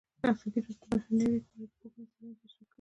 ازادي راډیو د بهرنۍ اړیکې په اړه د پوهانو څېړنې تشریح کړې.